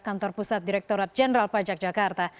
kantor pusat direkturat jenderal pajak jakarta